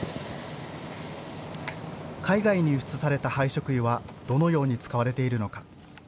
海外に輸出された廃食油はどのように使われているのか。